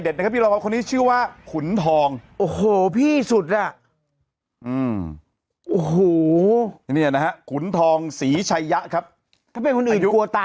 ยังไงยังไงยังไงยังไงยังไงยังไงยังไงยังไง